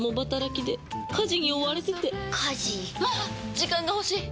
時間が欲しい！